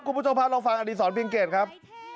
คุณพุทธงภัยลองฟังอดีศรเพียงเกรดครับ